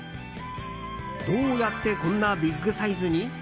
どうやってこんなビッグサイズに？